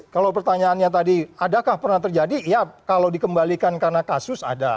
kalau pertanyaannya tadi adakah pernah terjadi ya kalau dikembalikan karena kasus ada